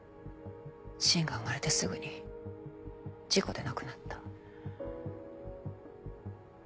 芯が生まれてすぐに事故で亡くなった。